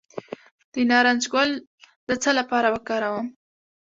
د نارنج ګل د څه لپاره وکاروم؟